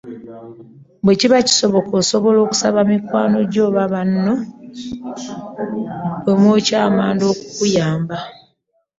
Bwe kiba kisoboka osobola okusaba mikwano gyo oba banno bwe mwokya amanda okukuyambako.